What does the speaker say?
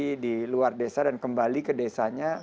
jadi di luar desa dan kembali ke desanya